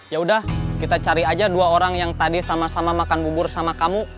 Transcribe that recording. ya udah kita cari aja dua orang yang tadi sama sama makan bubur sama kamu